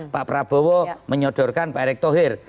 pak prabowo menyodorkan pak erick thohir